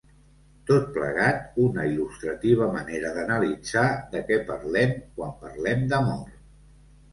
Tot plegat una il·lustrativa manera d'analitzar de què parlem quan parlem d'amor.